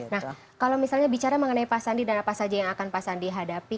nah kalau misalnya bicara mengenai pak sandi dan apa saja yang akan pak sandi hadapi